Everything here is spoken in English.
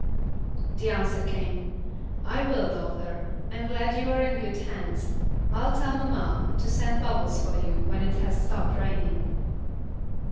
The answer came, "I will, daughter; I'm glad you are in good hands. I'll tell mamma to send Bubbles for you when it has stopped raining."